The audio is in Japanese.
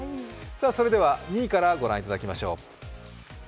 それでは２位から御覧いただきましょう。